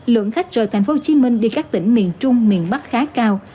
lượng khách rời thành phố hồ chí minh đi các tỉnh miền trung miền bắc khá cao